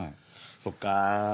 そっか。